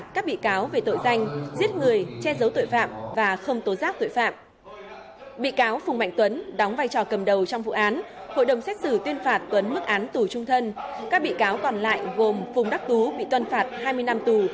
các bị cáo còn lại gồm phùng đắc tú bị tuân phạt hai mươi năm tù